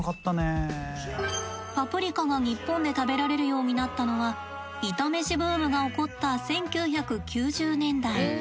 パプリカが日本で食べられるようになったのはイタ飯ブームが起こった１９９０年代。